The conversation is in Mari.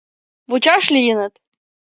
Вучаш лийыныт...